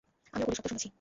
আমিও গুলির শব্দ শুনেছি!